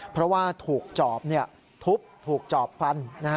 เพราะว่าถูกจอบทุบถูกจอบฟัน